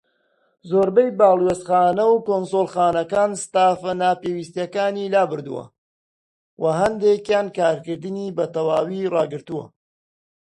زۆربەی باڵوێزخانە و کونسوڵخانەکان ستافە ناپێوستیەکانی لابردووە، وە هەندێکیان کارکردنی بە تەواوی ڕاگرتووە.